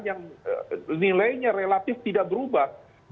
yang nilainya relatif tidak berubah